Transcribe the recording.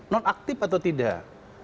non aktif atau tidak